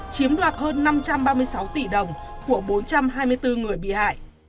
chiếm đoạt hơn năm trăm ba mươi sáu tỷ đồng của bốn trăm hai mươi bốn người bị hại